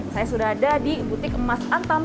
saya sudah ada di butik emas antam